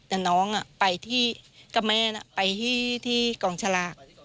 แต่น้องไปที่กับแม่ไปที่กองฉลาก